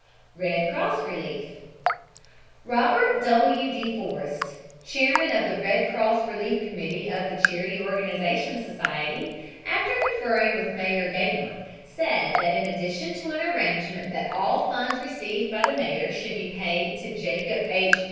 RED CROSS RELIEF Robert W. de Forest, chairman of the Red Cross Relief Committee of the Charity Organization Society, after conferring with Mayor Gaynor, said that in addition to an arrangement that all funds received by the mayor should be paid to Jacob H.